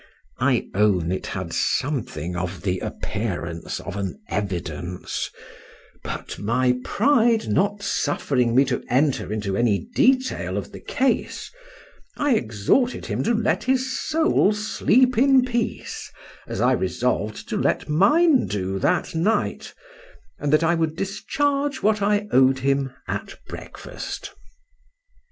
—I own it had something of the appearance of an evidence; but my pride not suffering me to enter into any detail of the case, I exhorted him to let his soul sleep in peace, as I resolved to let mine do that night, and that I would discharge what I owed him at breakfast.